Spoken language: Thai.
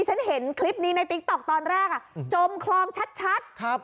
ฉันเห็นคลิปนี้ในติ๊กต๊อกตอนแรกอ่ะจมคลองชัดครับ